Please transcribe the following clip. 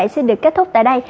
xin được kết thúc tại đây